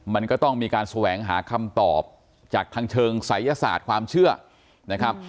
มันก็ต้องมีการแสวงหาคำตอบจากทางเชิงศัยศาสตร์ความเชื่อนะครับ